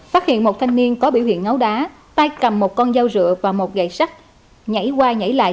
phát hiện một thanh niên có biểu hiện ngáo đá tay cầm một con dao rửa và một gãy sắt nhảy qua nhảy lại